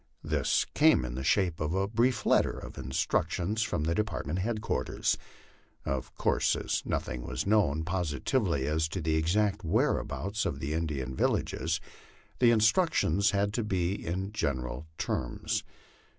This came in the shape of a brief letter of instructions from Department headquarters. Of course, as nothing was known positively as to the exact whereabouts of the Indian villa ges, the instructions had to be general in terms.